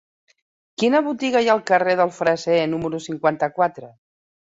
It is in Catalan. Quina botiga hi ha al carrer del Freser número cinquanta-quatre?